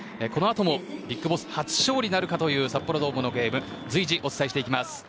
このあともＢＩＧＢＯＳＳ初勝利なるかという札幌ドームのゲーム随時、お伝えしていきます。